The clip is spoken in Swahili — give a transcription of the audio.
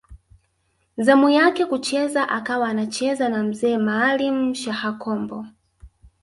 Zamu yake kucheza akawa anacheza na Mzee Maalim Shaha Kombo